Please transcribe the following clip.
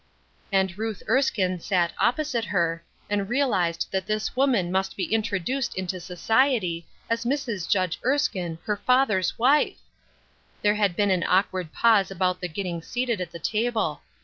And Ruth Erskine sat opposite her, and real ized that this woman must be introduced into society as Mrs. Judge Erskine, her father's wife I There had been an awkward pause about the getting seated at the table.